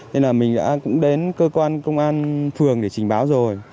nên là mình đã cũng đến cơ quan công an phường để trình báo rồi